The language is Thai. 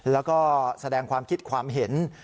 แล้วก็แสดงความคิดความเห็น